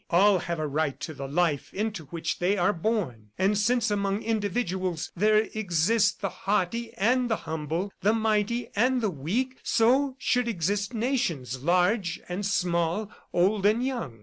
All have a right to the life into which they are born, and since among individuals there exist the haughty and the humble, the mighty and the weak, so should exist nations, large and small, old and young.